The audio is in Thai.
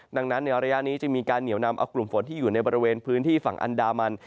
ดังนั้นในระยะนี้จะมีการเหนียวนำเอากลุ่มฝนที่อยู่ในบริเวณพื้นที่ฝั่งอันดามัน